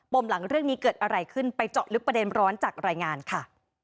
มหลังเรื่องนี้เกิดอะไรขึ้นไปเจาะลึกประเด็นร้อนจากรายงานค่ะ